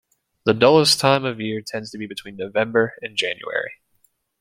The dullest time of year tends to be between November and January.